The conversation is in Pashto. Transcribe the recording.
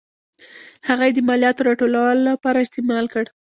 هغه یې د مالیاتو راټولولو لپاره استعمال کړ.